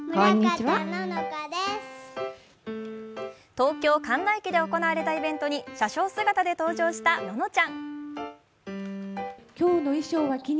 東京・神田駅に行われたイベントに車掌姿で登場したののちゃん。